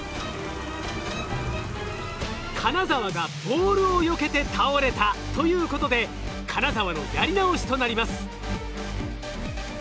金沢がボールをよけて倒れたということで金沢のやり直しとなります。